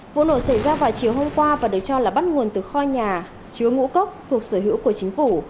vụ nổ xảy ra vào chiều hôm qua và được cho là bắt nguồn từ kho nhà chứa ngũ cốc thuộc sở hữu của chính phủ